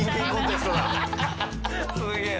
すげえな。